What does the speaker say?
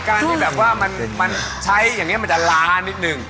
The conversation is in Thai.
การที่แบบว่ามันใช้อย่างนี้มันจะล้านิดนึง